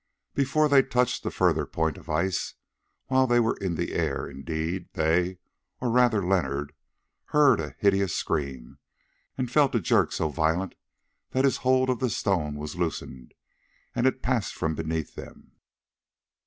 Before they touched the further point of ice—while they were in the air, indeed—they, or rather Leonard, heard a hideous scream, and felt a jerk so violent that his hold of the stone was loosened, and it passed from beneath them.